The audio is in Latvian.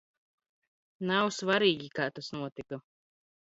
Nav svar?gi, k? tas notika.